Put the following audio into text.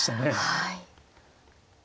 はい。